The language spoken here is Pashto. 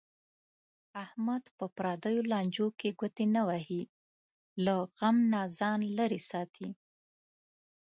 احمد په پردیو لانجو کې ګوتې نه وهي. له غم نه ځان لرې ساتي.